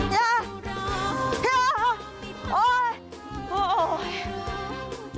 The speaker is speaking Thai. ยายาโอ๊ยโอ๊ย